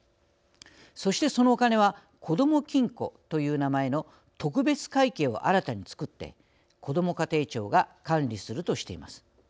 そして、そのお金はこども金庫という名前の特別会計を新たに作ってこども家庭庁が管理するとしています。